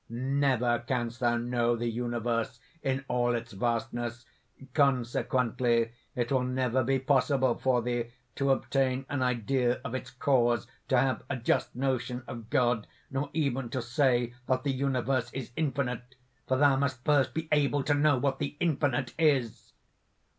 "Never canst thou know the universe in all its vastness; consequently it will never be possible for thee to obtain an idea of its cause, to have a just notion of God, nor even to say that the universe is infinite, for thou must first be able to know what the Infinite is!"